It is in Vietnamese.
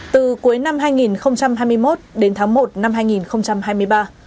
từ cuối năm hai nghìn hai mươi một đến tháng một năm hai nghìn hai mươi ba